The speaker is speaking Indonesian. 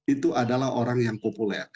itu adalah orang yang populer